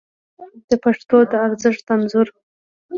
د پښتو د ارزښت انځور